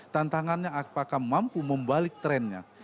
tantangannya apakah mampu membalik trennya